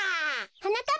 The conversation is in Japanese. はなかっ